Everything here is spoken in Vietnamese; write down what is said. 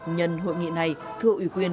nhân hội nghị này thưa ủy quyền